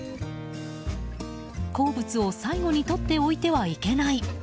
好物を最後にとっておいてはいけない。